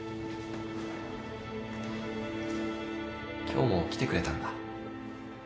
今日も来てくれたんだ。